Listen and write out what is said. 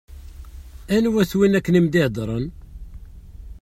Anwa-t win akken i m-d-iheddṛen?